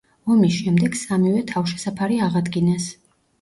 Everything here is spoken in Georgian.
ომის შემდეგ, სამივე თავშესაფარი აღადგინეს.